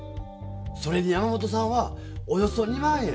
それに山本さんは「およそ２万円。